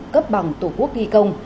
cấp bằng tổ quốc ghi công